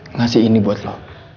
ngasih ini buat lo